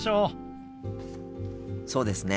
そうですね。